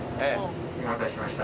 お待たせしました。